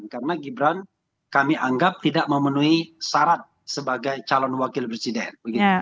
karena gibran kami anggap tidak memenuhi syarat sebagai calon wakil presiden